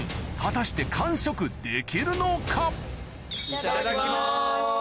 いただきます。